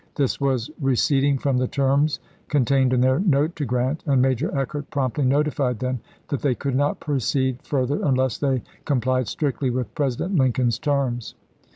This was recediiig from the terms contained in their note to Grant, and Major Eckert promptly notified them that they could not proceed further unless they com plied strictly with President Lincoln's terms.